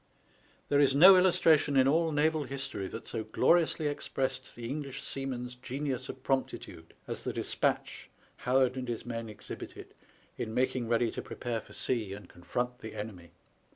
There is no illus tration in all naval history that so gloriously expressed the English seaman's genius of promptitude as the despatch Howard and his men exhibited in making ready to prepare for sea and confront the enemy.